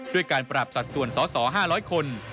ด้วยการปรับสัดส่วนสส๕๐๐คน